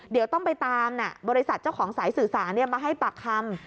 เดี๋ยวต้องไปตามบริษัทเจ้าของสายสื่อสารมาให้ปากคำ